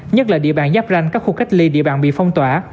nhất là địa bàn giáp ranh các khu cách ly địa bàn bị phong tỏa